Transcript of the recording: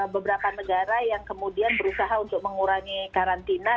beberapa negara yang kemudian berusaha untuk mengurangi karantina